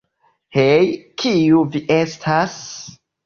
Hej, kiu vi estas?